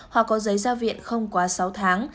hoặc có giấy giao viện không quá sáu tháng